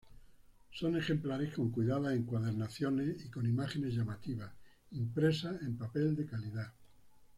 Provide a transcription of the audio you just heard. Son ejemplares con cuidadas encuadernaciones y con imágenes llamativas, impresas en papel de calidad.